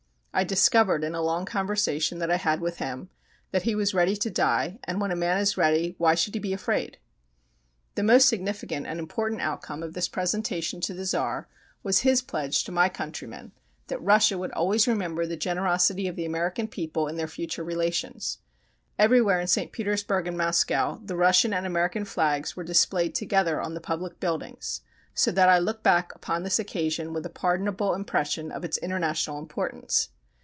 I discovered, in a long conversation that I had with him, that he was ready to die, and when a man is ready why should he be afraid? The most significant and important outcome of this presentation to the Czar was his pledge to my countrymen that Russia would always remember the generosity of the American people in their future relations. Everywhere in St. Petersburg and Moscow, the Russian and American flags were displayed together on the public buildings, so that I look back upon this occasion with a pardonable impression of its international importance.